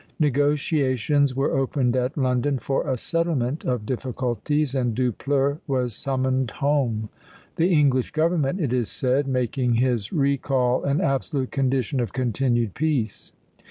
Negotiations were opened at London for a settlement of difficulties, and Dupleix was summoned home; the English government, it is said, making his recall an absolute condition of continued peace.